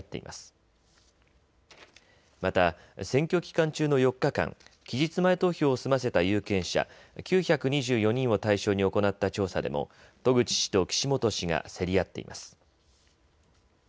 また、選挙期間中の４日間、期日前投票を済ませた有権者９２４人を対象に行った調査でも渡具知氏と岸本氏が競り合っています。